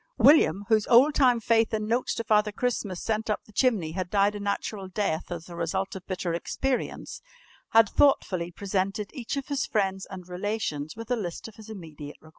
William, whose old time faith in notes to Father Christmas sent up the chimney had died a natural death as the result of bitter experience, had thoughtfully presented each of his friends and relations with a list of his immediate requirements.